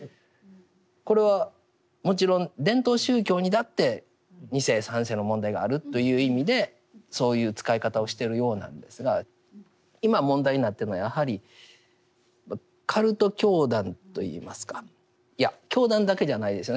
これはもちろん伝統宗教にだって２世３世の問題があるという意味でそういう使い方をしてるようなんですが今問題になってるのはやはりカルト教団といいますかいや教団だけじゃないですよね。